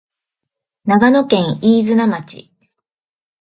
長野県飯綱町